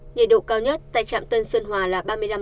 nhiệt độ cao nhất tại trạm tân sơn hòa là ba mươi năm